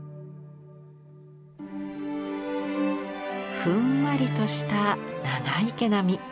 ふんわりとした長い毛並み。